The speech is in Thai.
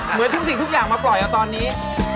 เหมือนทุกสิ่งทุกอย่างมาปล่อยเอาตอนนี้